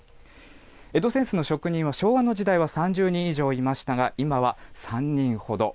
江戸扇子の職人は、昭和の時代は３０人以上いましたが、今は３人ほど。